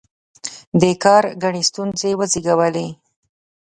دې کار ګڼې ستونزې وزېږولې.